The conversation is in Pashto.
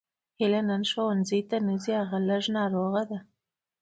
هیله نن ښوونځي ته نه ځي هغه لږه ناروغه ده